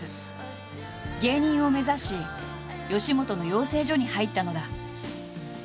芸人を目指し吉本の養成所に入ったのだ。